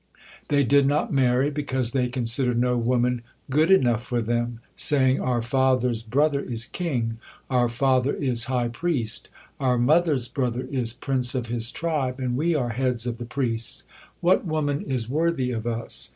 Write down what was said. They did not marry, because they considered no woman good enough for them, saying: "Our father's brother is king, our father is high priest, our mother's brother is prince of his tribe, and we are heads of the priests. What woman is worthy of us?"